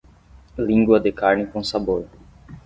Lingua de carne com sabor